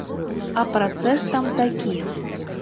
А працэс там такі.